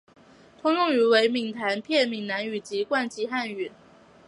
通用语为闽台片闽南语及籍贯汉语。